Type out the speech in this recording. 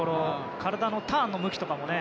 体のターンの向きとかね。